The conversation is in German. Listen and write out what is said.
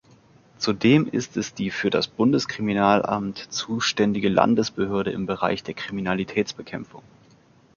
Zudem ist es die für das Bundeskriminalamt zuständige Landesbehörde im Bereich der Kriminalitätsbekämpfung.